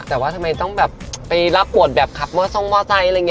แต่ว่าทำไมต้องแบบไปรับบทแบบขับมอทรงมอไซค์อะไรอย่างนี้